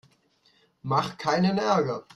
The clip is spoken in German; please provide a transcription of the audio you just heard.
Mach keinen Ärger!